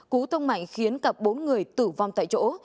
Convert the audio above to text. cú tông mạnh khiến cả bốn người tử vong tại chỗ